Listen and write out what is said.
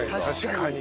確かに。